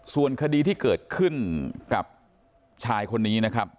ส่วนคดีที่เกิดขึ้นกับชายคนนี้นะครับ